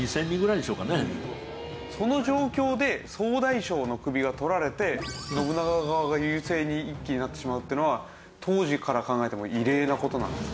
その状況で総大将の首が取られて信長側が優勢に一気になってしまうっていうのは当時から考えても異例な事なんですか？